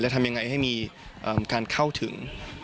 ทำยังไงให้มีการเข้าถึง